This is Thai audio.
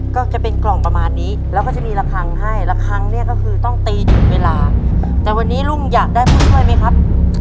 ก็เดี๋ยวช่วยกันสองคนแม่ลูกนะครับ